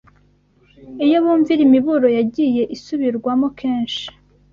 iyo bumvira imiburo yagiye isubirwamo kenshi